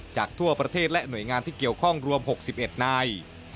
ทั่วประเทศและหน่วยงานที่เกี่ยวข้องรวม๖๑นาย